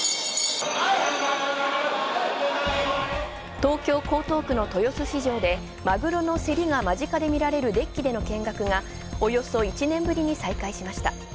東京江東区の豊洲市場でマグロの競りが間近で見られるデッキでの見学がおよそ１年ぶりに再開しました。